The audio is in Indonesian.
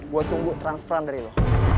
gue tunggu transferan dari lo